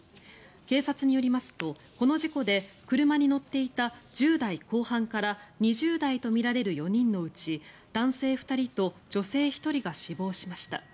警察によりますとこの事故で車に乗っていた１０代後半から２０代とみられる４人のうち男性２人と女性１人が死亡しました。